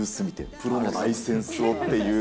プロのライセンスをっていう。